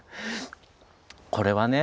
これはね